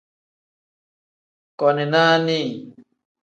Koni nani.